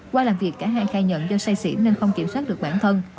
qua làm việc cả hai khai nhận do say xỉu nên không kiểm soát được bản thân